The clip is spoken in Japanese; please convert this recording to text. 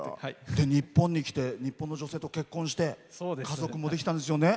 日本に来て日本の女性と結婚して家族もできたんですよね。